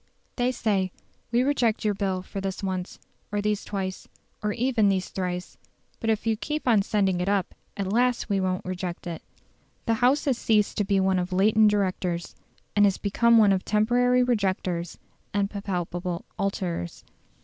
They say, We reject your Bill for this once or these twice, or even these thrice: but if you keep on sending it up, at last we won't reject it. The House has ceased to be one of latent directors, and has become one of temporary rejectors and palpable alterers.